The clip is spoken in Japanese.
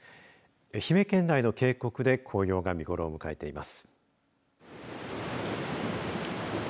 愛媛県内の渓谷で紅葉が見頃を迎えています。